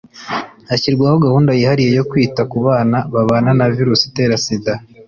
hashyirwaho gahunda yihariye yo kwita ku bana babana na virusi itera Sida